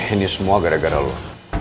ini semua gara gara lo